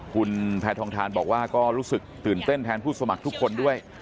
คุณแพทองทานบอกว่าก็รู้สึกตื่นเต้นแทนผู้สมัครทุกคนด้วย